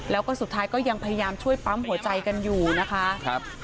แล้วก็สุดท้ายก็ยังพยายามช่วยปั๊มหัวใจกันอยู่นะคะ